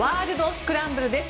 スクランブルです。